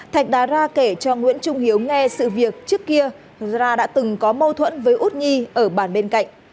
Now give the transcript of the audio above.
thạch đá ra kể cho nguyễn trung hiếu nghe sự việc trước kia ra đã từng có mâu thuẫn với út nhi ở bàn bên cạnh